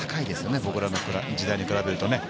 僕らの時代に比べるとね。